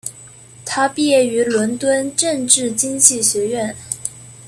他毕业于伦敦政治经济学院。